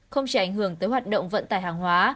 không chỉ ảnh hưởng tới hoạt động vận tải hàng hóa